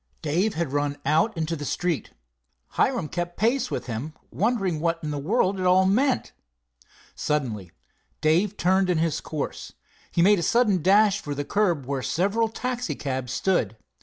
Dave had run out into the street. Hiram kept pace with him, wondering what in the world it all meant. Suddenly Dave turned in his course. He made a sudden dash for the curb where several taxicabs stood.